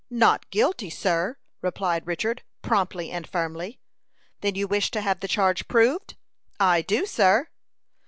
"Not guilty, sir!" replied Richard, promptly and firmly. "Then you wish to have the charge proved?" "I do, sir."